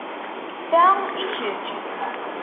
Ta i kečč.